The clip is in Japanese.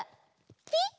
ピッ！